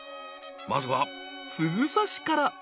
［まずはふぐ刺しから］